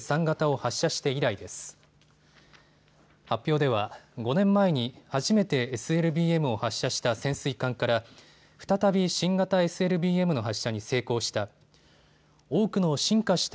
発表では５年前に初めてＳＬＢＭを発射した潜水艦から再び新型ＳＬＢＭの発射に成功した。